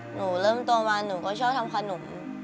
หนูเริ่มโตมาหนูก็ชอบทำขนม